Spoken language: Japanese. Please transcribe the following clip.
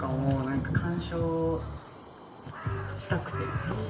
鑑賞したくて。